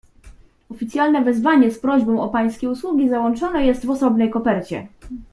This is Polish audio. "„Oficjalne wezwanie z prośbą o pańskie usługi załączone jest w osobnej kopercie."